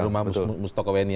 di rumah mustoko weni